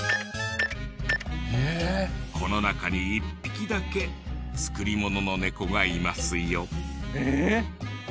この中に１匹だけ作りもののネコがいますよ。